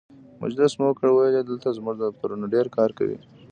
مجلس مو وکړ، ویل یې دلته زموږ دفترونه ډېر کار کوي.